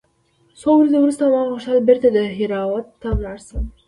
څو ورځې وروسته ما غوښتل بېرته دهراوت ته ولاړ سم.